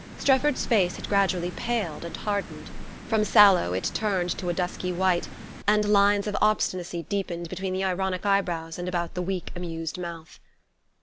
Strefford's face had gradually paled and hardened. From sallow it turned to a dusky white, and lines of obstinacy deepened between the ironic eyebrows and about the weak amused mouth.